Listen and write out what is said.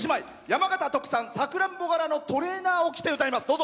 山形特産・さくらんぼ柄のトレーナーを着て歌います。